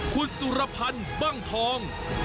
คุณสุรพันธ์บ้างทอง